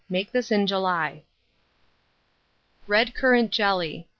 Make this in July. RED CURRANT JELLY.